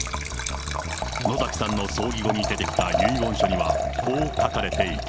野崎さんの葬儀後に出てきた遺言書には、こう書かれていた。